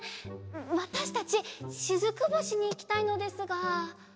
わたしたちしずく星にいきたいのですが。